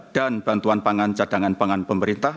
dan bantuan pangan cadangan pangan pemerintah